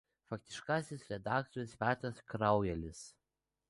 Faktiškasis redaktorius Petras Kraujalis.